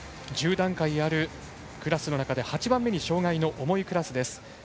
１０段階あるクラスの中で８番目に障がいの重いクラスです。